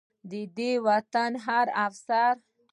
د دې وطن هر يو افسر